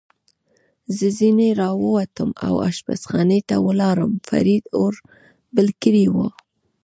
زه ځنې را ووتم او اشپزخانې ته ولاړم، فرید اور بل کړی و.